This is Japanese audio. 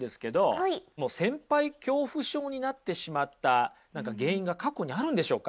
先輩恐怖症になってしまった何か原因が過去にあるんでしょうか。